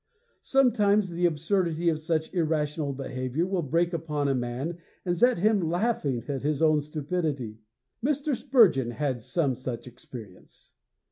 Sometimes the absurdity of such irrational behavior will break upon a man and set him laughing at his own stupidity. Mr. Spurgeon had some such experience.